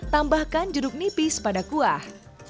tambahkan jeruk nipis pada kuah